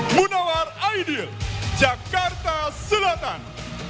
munawar aidil jakarta selatan